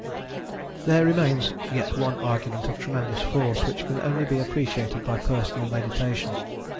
There remains yet one argument of tremendous force, which can only be appreciated by personal meditation.